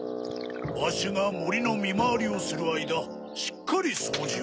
わしがもりのみまわりをするあいだしっかりそうじを。